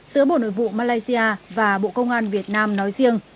giữa bộ nội vụ malaysia và bộ công an việt nam nói riêng